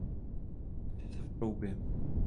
Peče se v troubě.